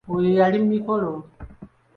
Oyo yali Mikolo.